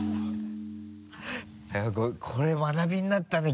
これ学びになったね。